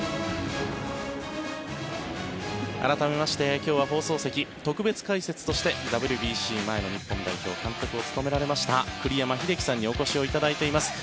改めまして今日は放送席、特別解説としてＷＢＣ、前の日本代表監督を務められました栗山英樹さんにお越しいただいています。